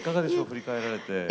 振り返られて。